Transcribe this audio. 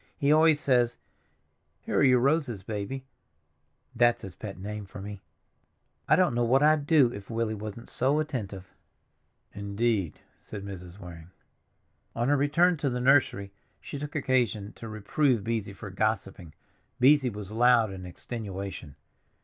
He always says, 'Here are your roses, Baby'—that's his pet name for me. I don't know what I'd do if Willie wasn't so attentive." "Indeed," said Mrs. Waring. On her return to the nursery she took occasion to reprove Beesy for gossiping. Beesy was loud in extenuation.